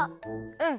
うん。